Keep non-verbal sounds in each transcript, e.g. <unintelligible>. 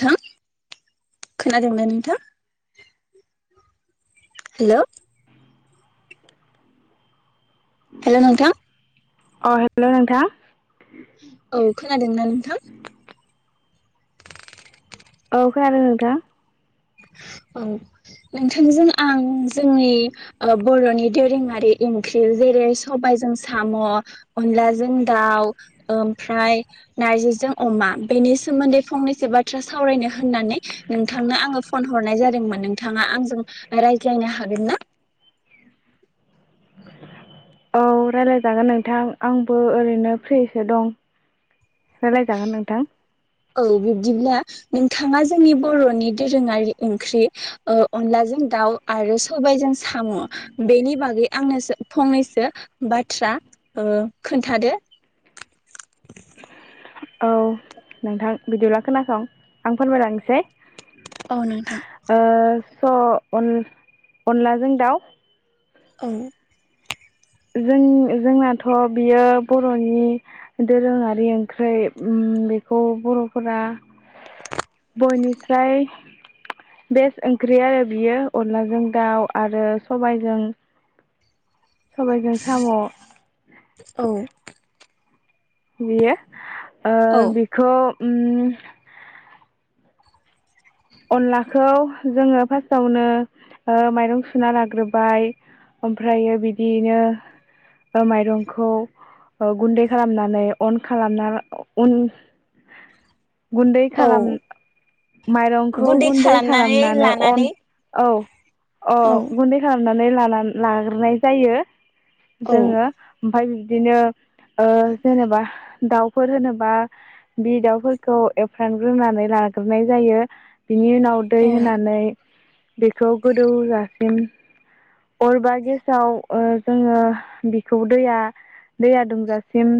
थां खोनादोंना नोंथां? हेलौ हेलौ नोंथां अ हेलौ नोंथां। औ खोनादोंना नोंथां? औ खोनादों नोंथां। औ नोंथांजों आं जोंनि ओ बर'नि दोरोङारि इं ख्रि जेरै सबायजों साम' अनलाजों दाउ ओमफ्राय नार्जिजों अमा बेनि सोमोन्दै फंनैसो बाथ्रा सावरायनो होननानै नोंथांनो आङो फन हरनाय जादोंमोन नोंथाङा आंजों रायज्लायनो हागोन ना? औ रायलायजागोन नोंथां आंबो ओरैनो फ्रिसो दं रायलायजागोन नोंथां। औ बिब्दिब्ला नोंथाङा जोंनि बर'नि दोरोङारि ओंख्रि ओ अनलाजों दाउ आरो सबायजों साम' बेनि बागै आंनोसो फंनैसो बाथ्रा ओ खोन्थादो। औ नोंथां बिदिब्ला खोनासं आं फोरमाय लांनोसै औ नोंथां ओ स अन अनलाजों दाउ औ जों जोंनाथ' बियो बर'नि दोरोङारि ओंख्रै ओम बेखौ बर'फोरा बयनिस्राय बेस्ट ओंख्रि आरो बियो अनलाजों दाउ आरो सबायजों सबायजों साम' बियो ओ औ बेखौ उम अनलाखौ जोङो फास्टआवनो ओ माइरं सुना लाग्रोबाय ओमफ्रायो बिदिनो ओ माइरंखौ ओ गुन्दै खालामनानै अन खालामना अन गुन्दै औ खालाम माइरं खौ गुन्दै खालामनानै अन औ अ औ गुन्दै खाल मनानै लानान-लाग्रोनाय जायो औ जोङो ओमफाय बिदिनो ओ जेनेबा दाउफोर होनोबा बि दाउफोरखौ एवफ्रानग्रोनानै लाग्रोनाय जायो बिनि उनाव दै होनानै बेखौ गोदौजासिम अर बा गेसाव ओ जोङो बिखौ दैया दैया दुंजासिम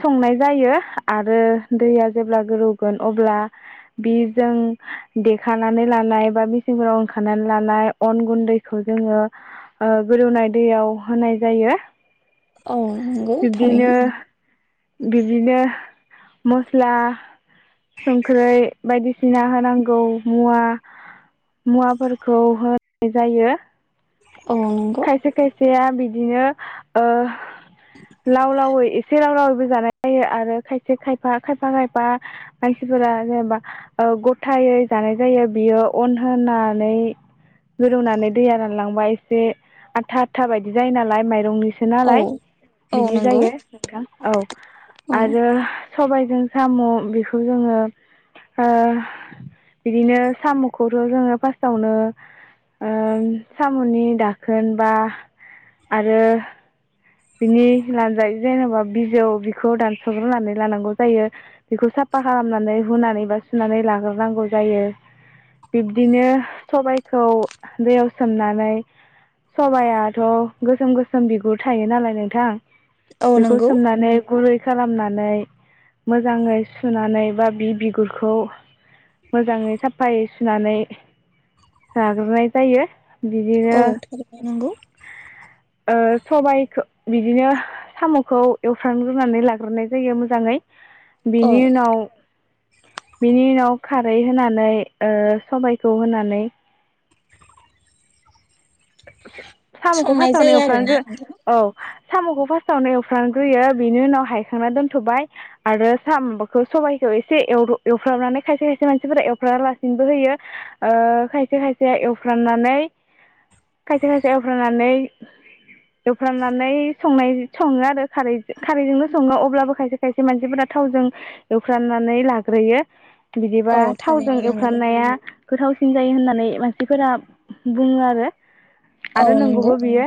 संनाय जायो आरो दैया जेब्ला गोदौगोन अब्ला बि जों देखानानै लानाय बा मेचिनफोराव उनखानानै लानाय अन गुन्दैखौ जोङो गोदौनाय दैयाव होनाय जायो औ नोंगौ थारैनो बिबदिनो मस्ला संख्रै बायदिसिना होनांगौ मुवा-मुवाफोरखौ होनाय जायो अ नंग सेया बिदिनो ओ लाव लाव ए लाव लावबो जानाय जायो आरो खायसे खायफा खायफा खायफा मानसिफोरा जेनबा गथायै जानाय जायो बियो अन होनानै गोदौनानै दैया रानलांबा एसे आथा आथा बायदि जायो नालाय माइरंनि सो औ नालाय औ बिदि नंगौ जायो नोंथां औ औ आरो सबाय जों साम बिखौ ओ बिदिनो सामखौथ जोङो फास्तआवनो ओ सामनि दाखोन बा आरो बिनि लानजाइ जेनबा बिजौ बिखौ दानसग्रोनानै लानांगौ जायो बिखौ साफा खालामनानै हुनानै बा सुनानै लाग्रोनांगौ जायो बिब्दिनो सबायखौ दैयाव सोमनानै औ बेखौ नंगौ सोमनानै गुरै खालामनानै मोजाङै सुनानै बा बि बिगुरखौ मोजाङै साफायै सुनानै लाग्रोनाय जायो बिदिनो औ थारैनो नंगौ ओ सबायाइखो बिदिनो साम खौ एवफ्रामग्रोनानै लाग्रोनाय जायो मोजाङै औ बेनि उनाव बिनि उनाव खारै होनानै सामखौ संनाय फास्स्टआवनो जायो आरोना एवफ्रानग्रो नोंथां औ सामखौ फार्स्टावनो एवफ्रानग्रोयो बेनि उनाव हायखांना दोनथ बाय आरो साम माबाखौ सबाइखौ एसे एवद एवफ्राननानै खायसे खायसे मानसिफोरा एवफ्रानालासिनोबो होयो खायसे खायसे एवफ्राननानै खायसे खायसे एवफ्राननानै एवफ्रामनानै बिदिबा औ थावजों थारैनो नंगौ एवफ्रननाया गोथावसिन जायो होननानै मानसिफोरा बुङो आरो औ आरो नंगौ नोंगौबो बियो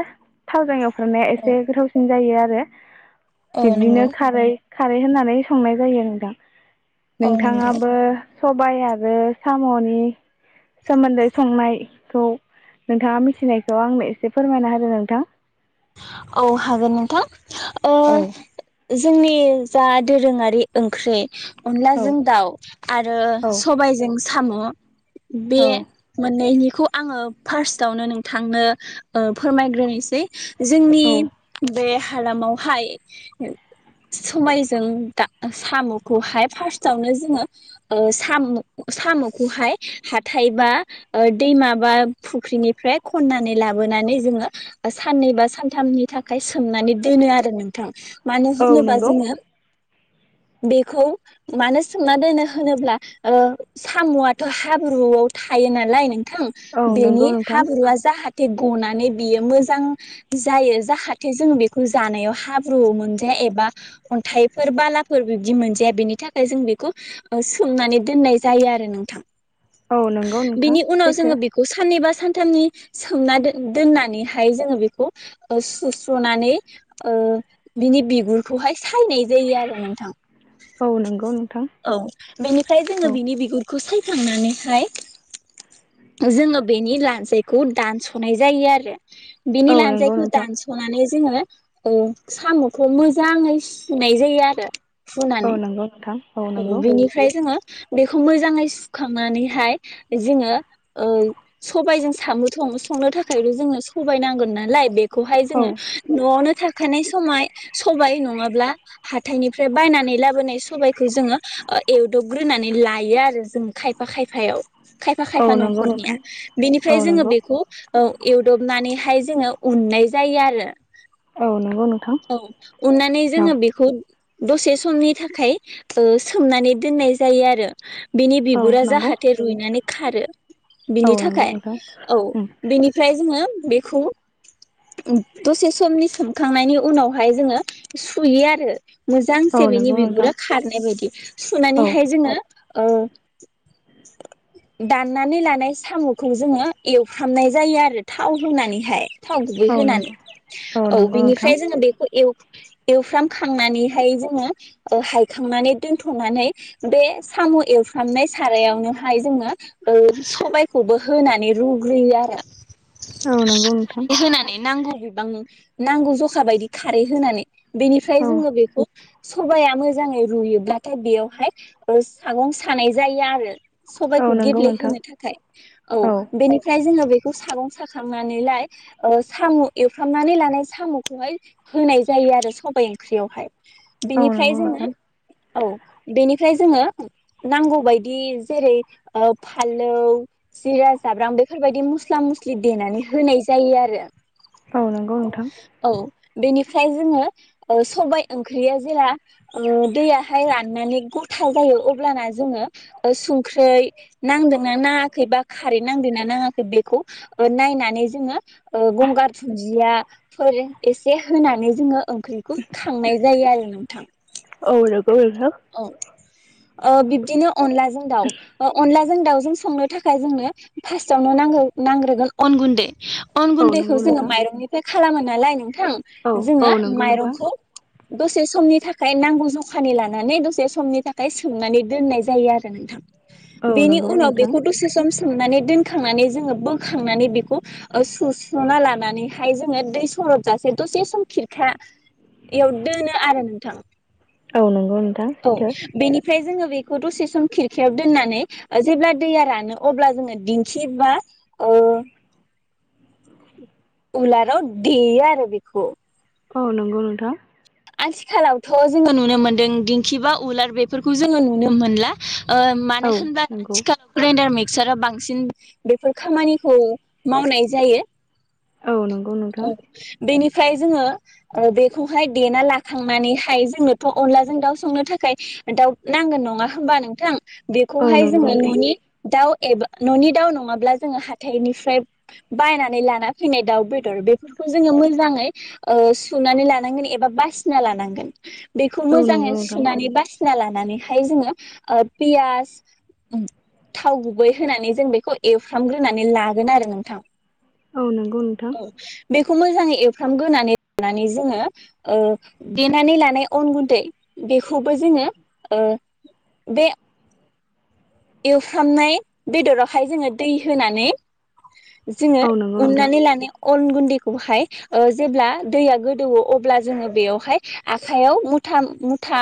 थावजों एव फ्राननाया एसे औ गोथावसिन जायो आरो जे औ नंगौ बिब्दिनो खारै खारै होननानै संनाय जायो नोंथां औ नंगौ। नोंथाङाबो सबाय आरो साम'नि सोमोन्दै संनाय खौ‌ नोंथाङा मिथिनायखौ आंनो एसे फोरमायना होदो नोंथां। औ हागोन नोंथां ओ औ जोंनि जा दोरोङारि ओंख्रि औ अनलाजों दाउ आरो औ सबायजों साम' बे माननैनि खौ आङो फार्स्टआवनो नोंथांनो ओ फोरमायग्रोनोसै जोंनि औ बे हालामावहाय सबायजों दा सामुखौहाय फास्तावनो जोङो ओ सामु सामुखौहाय हाथाय बा ओ दैमा बा फख्रिनिफ्राय खननानै लाबोनानै जोङो साननै बा सान थाम-थामनि थाखाय सोमनानै दोनो आरो नोंथां‌। मानो औ होनोबा नंगौ जोङो बेखौ मानो सोमना दोनो होनोब्ला ओ साम'आथ' हाब्रुआव थायो नालाय नों थां औ बेनि नंगौ नोंथां हाब्रुआ जाहा थे गनानै बियो मोजां जायो जाहाथे जों बेखौ जानायाव हाब्रु मोनजाया एबा अन्थाइफोर बालाफोर बिबदि मोनजाया बेनि थाखाय जों बेखौ ओ सोमनानै दोननाय जायो आरो नोंथां। औ नंगौ नोंथां बिनि उनाव सैथो जोङो बेखौ साननैबा सानथामनि सोमना दोननानैहाय जोङो बेखौ ओ सुस्र'नानै ओ बिनि बिगुरखौहाय सायनाय जायो आरो नोंथां। औ नंगौ नोंथां औ बेनिफ्राय जङो औ बिनि बिगुरखौ साय खांनानैहाय जोंङो बेनि लान जायखौ दानस'नाय जायो आरो। बिनि औ लानजाय नंगौ नोंथां दानसनानै जोङो ओ साम'खौ मोजाङै सुनाय जायो आरो औ फुनानै नंगौ नोंथां औ नंगौ बिनिफ्राय जोङो बेखौ मोजाङै सुखांनानैहाय बे जोङो ओ सबायजों सामु सं-संनो थाखायथ' जोंनो सबाय नांगोन नालाय बे खौहाय औ जोङो न'आवनो था थाखानाय समाय सबाय नङाब्ला हाथायनिफ्राय बायनानै लाबोनाय सबाय खौ जोङो एवदबग्रोनानै लायो आरो जों खायफा खायफायाव खायफा खायफा औ नंगौ न'खरनिया नोंथां औ बेनिफ्राय जोङो नंगौ बेखौ ओ एवदबनानै हाय जोङो उननाय जायो आरो औ नों औ उननानै जोङो बेखौ दसे समनि थाखाय ओम सोमनानै दोननाय जायो आरो बिनि औ बिगुरा नंगौ जाहाथे रुइनानै खारो बिनि औ नंगौ थाखाय नोंथां औ उम बिनिफ्राय जोङो बेखौ दसे समनि सोमखांनायनि उनावहाय जोङो सुयो आरो मोजांसे औ बेनि नंगौ नोंथां बिगुरा खारनाय बायदि औ सुनानैहाय जोङो औ दाननानै लानाय साम'खौ जोङो एवफ्रामनाय जायो आरो थाव होनानैहाय थाव गुबै औ नंगौ होनानै औ नंगौ बेनि नोंथां फ्राय जों बेखौ एवफ्रामखांनानैहाय जोङो ओ हायखांनानै दोनथ'नानै बे साम' एवफ्रामनाय सारायावनोहाय जोङो ओ सबायखौबो होनानै रुग्रोयो आरो औ नंगौ नोंथां। बिबांनि नांगौ जखानि जखा बायदि खारै होनानै बेनिफ्राय औ जोङो बेखौ सबाया मोजाङै रुयोब्लाथाय बेयावहाय ओ सागं सानाय जायो आरो औ सबायखौ नंगौ नोंथां गेब्लेहोनो थाखाय औ बेनिफ्राय जोङो बे सागं साखांनानैहाय सामु एवफ्रामनानै लानाय साम' खौहाय होनाय जायो आरो सबाइ ओंख्रियावहाय। औ बेनिफ्राय नंगौ जोङो नोंथां औ बेनिफ्राय जोङो नांगौ बायदि जेरै फानलौ जिरा जाब्रां बेफोरबायदि मस्ला मस्लि देनानै होनाय जायो आरो औ नंगौ नोंथां। औ बेनिफ्राय जोङो ओ सबाय ओ ओंख्रिया जेला ओ दैयाहाय राननानै गथा जायो अब्लाना जोङो संख्रै नांदोंना नाङाखै बा खारै नांदोंना नाङाखै बेखौ ओ नायनानै जोङो ओ गंगार धुन्दियाफोर एसे होनानै जोङो ओंख्रिखौ खांनाय जायो आरो नोंथां। औ नंगौ नोंथां। औ ओ बिब्दिनो अनलाजों दाउ ओ अनलाजों दाउ जों संनो थाखाय जोंनो फासआवनो नांगो नांग्रोगोन अन गुन्दै । अन औ गुन्दैखौ नंगौ जोंङो नोंथां माइरंनिफ्राय खालामो । नालाय न औ थां जोंङो औ नंगौ नोंथां माइरंखौ दसे समनि थाखाय नांगौ जखानि लानानै दसे समनि थाखाय सोमनानै दोननाय जायो आरो नोंथां । औ बेनि नंगौ उनाव नोंथां बेखौ दसे सम सोमनानै दोनखांनानै जोंङो बोखांनानै बेखौ ओ सुस्रना लानानैहाय जोंङो दै सर जासे दसे सम खिरखायाव दोनो आरो नोंथां । औ नंगौ नोंथां सैथो । ओमफ्राय जोंङो बेखौ दसे सम खिरखायाव दोननानै ओ जेब्ला दैया रानो दिंखि बा ओ उलाराव देयो आ <unintelligible> बिखौ औ नंगौ नोंथां । आथिखालावथ' जोंङो नुनो मोनदों दिंखि बा उलार बेफोरखौ जोंङो नुनो मोनला । ओ औ मानो होनबा नंगौ आथिखालाव ग्रेन्दार मिक सारा बांसिन बेफोर खामानिखौ मावनाय जायो । औ नंगौ नोंथां औ बेनि फ्राय जोंङो ओ बेखौहाय देना लाखांनानैहाय जोंनोथ' अनलाजों दाउ संनो थाखाय दाउ नांगोन नङा होनबा नोंथां? औ बेखौहाय नंगौ जोंङो नोंथां न'नि दाउ एबा न'नि दाउ नंङाबा जोंङो हाथायनिफ्राय बायनानै लाना फैनाय दाव बे बेफोरखौ जोंङो मोजांङै ओ सुनानै लानांगोन एबा बासिना लानांगोन । बेखौ औ मोजांङै नंगौ नोंथां सुनानै बा सिना लानानैहाय जोंङो ओ पियास थाव गुबै होनानै जों बेखौ एवफ्रामग्रोनानै लागोन आरो नोंथां । औ नंगौ नोंथां । खौ मोजांङै एवफ्रामग्रोनानै लानानै जोंङो ओ देनानै लानाय अन गुन्दै बेखौबो जोंङो ओ बे एवफ्रामनाय बेदरावहाय जोंङो दै होनानै जोंङो औ नंगौ उननानै नोंथां लानाय अन गुन्दै खौहाय ओ जेब्ला दैया गोदौवो अब्ला जोंङो बेयावहाय आखाइयाव मुथा मुथा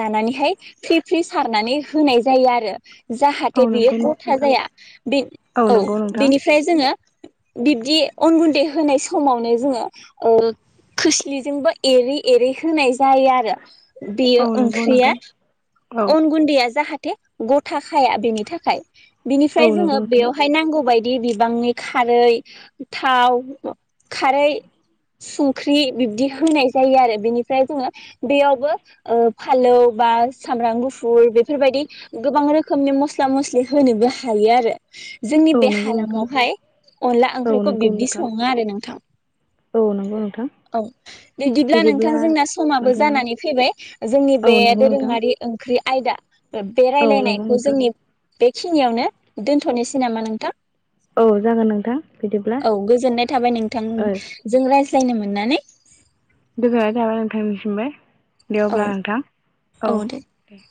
लानानैहाय फ्रि फ्रि सारनानै होनाय जायो आरो । औ जाहाथे बियो नंगौ गथा नोंथां जाया बे औ नंगौ नोंथां बिनि जोंङो बिब्दि अन गुन्दै होनाय समावनो जोंङो ओ खोस्लिजोंबो एरै एरै होनाय जायो आरो । औ बेयो नंगौ ओंख्रिया नोंथां औ अन गुन्दैया जाहा थे गथाखाया बेनि थाखाय । औ बिनिफ्राय नंगौ जोंङो नोंथां बेयावहाय नांगौ बायदि बिदि बिबांनि खारै थाव खारै संख्रि बिब्दि होनाय जायो आरो बेनिफ्राय जोंङो बेयावबो ओ फालौ बा सामब्राम गुफुर बेफोरबायदि गोबां रोखोमनि मस्ला मस्लि होनोबो हायो आरो । जोंनि औ बे हा नंगौ नोंथां हालामावहाय अनला औ ओंख्रिखौ नंगौ बिब्दि नोंथां सङो आरो नोंथां औ नंगौ नोंथां औ बिदिब्ला नोंथां जोंना समाबो नोंथां जानानै फैबाय जोंनि बे औ नंगौ नोंथां दोरोंङारि ओंख्रि आयदा। बे औ नंगौ रायलायनायखौ नोंथां जोंनि। बेखिनियावनो दोनथ'नोसै नामा नोंथां। औ जागोन नोंथां बिदिब्ला औ गोजोननाय थाबाय नोंथां ओ जों रायज्लायन। सिलायनो मोननानै। गोजोननाय थाबाय नोंथांनिसिमबो। दे औ अब्ला नोंथां औ दे।